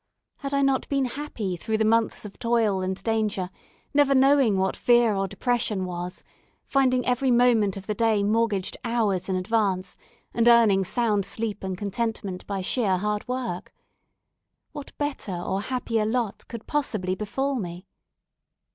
Had I not been happy through the months of toil and danger, never knowing what fear or depression was, finding every moment of the day mortgaged hours in advance, and earning sound sleep and contentment by sheer hard work? What better or happier lot could possibly befall me?